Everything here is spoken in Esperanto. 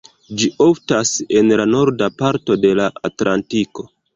Ĝi oftas en la norda parto de la atlantiko.